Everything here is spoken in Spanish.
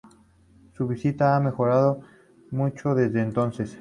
Su vista ha mejorado mucho desde entonces.